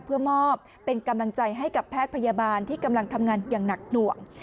เพื่อมอบเป็นกำลังใจให้กับแพทย์พยาบาลที่กำลังทำงานอย่างหนักหน่วง